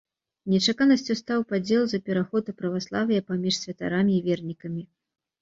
Нечаканасцю стаў падзел за пераход у праваслаўе паміж святарамі і вернікамі.